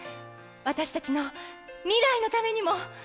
私たちの未来のためにも。